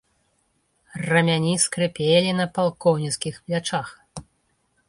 Рамяні скрыпелі на палкоўніцкіх плячах.